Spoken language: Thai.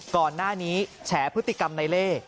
ก่อนหน้านี้แฉพฤติกรรมในเล่